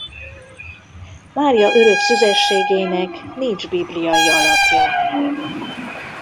Mária örök szüzességének nincs bibliai alapja.